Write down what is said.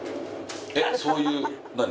えっそういう何？